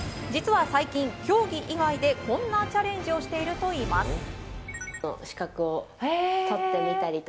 実は最近、競技以外でこんなチャレンジをしているといいます。